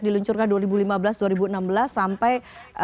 diluncurkan dua ribu lima belas dua ribu enam belas sampai